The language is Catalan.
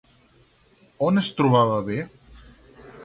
On es trobava bé?